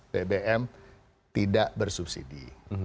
bbm tidak bersubsidi